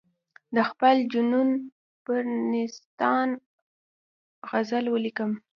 د خپل جنون پر نیستان غزل ولیکم.